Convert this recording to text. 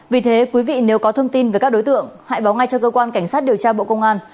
vì thế quý vị nếu có thông tin về các đối tượng hãy báo ngay cho cơ quan cảnh sát điều tra bộ công an